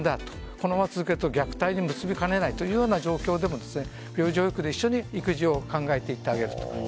このまま続けると虐待に結び付きかねないという状況でも病児保育で一緒に育児を考えていってあげると。